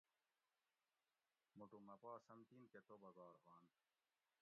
موٹو مہ پا سمتین کہ توبہ گار ہواۤنت